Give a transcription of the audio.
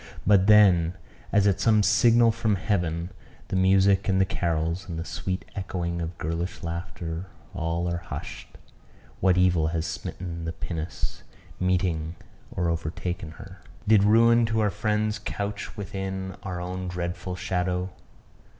But then, as at some signal from heaven, the music and the carols, and the sweet echoing of girlish laughter all are hushed. What evil has smitten the pinnace, meeting or overtaken her? Did ruin to our friends couch within our own dreadful shadow?